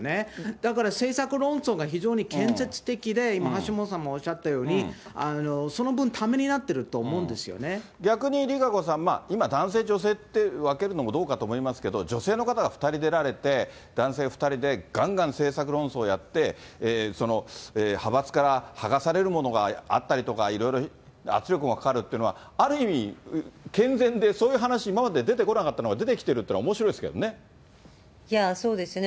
だから政策論争が非常に建設的で、今、橋下さんもおっしゃったように、その分、ためになってると思うん逆にＲＩＫＡＣＯさん、今、男性、女性って分けるのもどうかと思いますけれども、女性の方が２人出られて、男性２人でがんがん政策論争やって、その派閥から剥がされるものがあったりとか、いろいろ圧力もかかるっていうのは、ある意味、健全でそういう話、今まで出てこなかったのが出てきてるっていうのはおもしろいですそうですよね。